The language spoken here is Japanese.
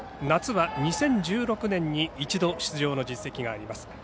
夏は２０１６年に一度、出場の実績があります。